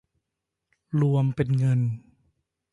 รวมเป็นเงิน